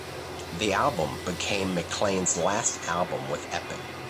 The album became McClain's last album with Epic.